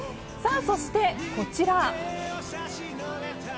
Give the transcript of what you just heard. そして、こちら。